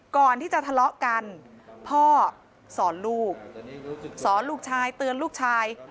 ก่อนที่จะทะเลาะกันพ่อสอนลูกสอนลูกชายเตือนลูกชาย